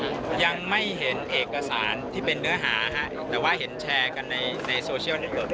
อเจมส์ยังไม่เห็นเอกสารที่เป็นเนื้อหาแต่ว่าเห็นแชร์กันในโซเชียลเยอะแยะแล้ว